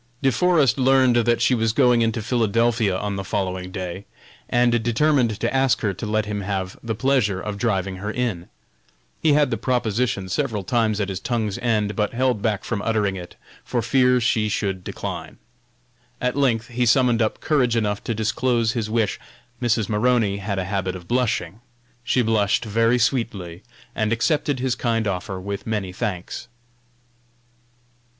De Forest learned that she was going into Philadelphia on the following day, and determined to ask her to let him have the pleasure of driving her in. He had the proposition several times at his tongue's end, but held back from uttering it, for fear she should decline. At length he summoned up courage enough to disclose his wish. Mrs. Maroney had a habit of blushing. She blushed very sweetly, and accepted his kind offer with many thanks.